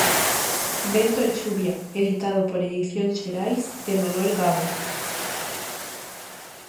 Vento e chuvia, editado por Edicións Xerais, de Manuel Gago.